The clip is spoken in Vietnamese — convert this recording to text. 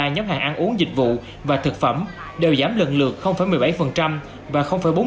ba nhóm hàng ăn uống dịch vụ và thực phẩm đều giảm lần lượt một mươi bảy và bốn mươi